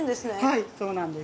はいそうなんです。